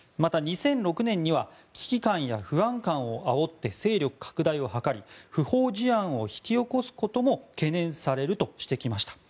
また、２００６年には危機感や不安感をあおって勢力拡大を図り不法事案を引き起こすことも懸念されるとしてきました。